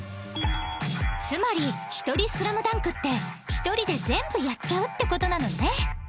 つまりひとりスラムダンクって１人で全部やっちゃうって事なのね